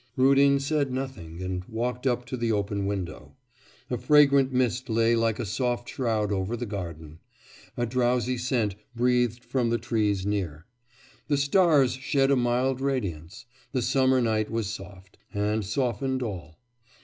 Rudin said nothing and walked up to the open window. A fragrant mist lay like a soft shroud over the garden; a drowsy scent breathed from the trees near. The stars shed a mild radiance. The summer night was soft and softened all.